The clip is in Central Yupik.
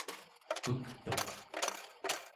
pektuq